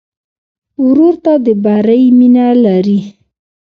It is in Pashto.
ورور ته د بری مینه لرې.